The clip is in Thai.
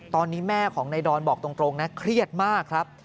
ตอนนี้แม่ของนายดอนบอกตรงนะเครียดมากครับ